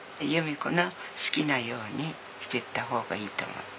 弓子の好きなようにしてった方がいいと思って。